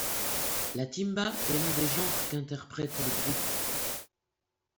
La timba est l'un des genres qu'interprète le groupe.